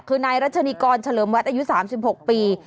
คือนายรัชนีกรเฉลิมวัดอายุ๓๖ปี